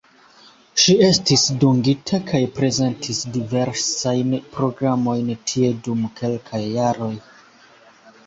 Ŝi estis dungita kaj prezentis diversajn programojn tie dum kelkaj jaroj.